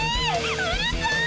うるさい！